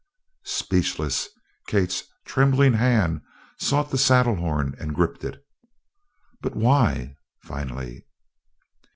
Speechless, Kate's trembling hand sought the saddle horn and gripped it. "But why?" finally.